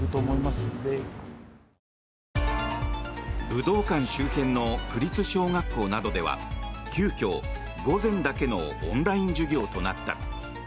武道館周辺の区立小学校などでは急きょ、午前だけのオンライン授業となった。